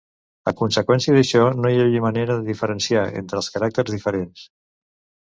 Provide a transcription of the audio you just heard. A conseqüència d'això no hi havia manera de diferenciar entre els caràcters diferents.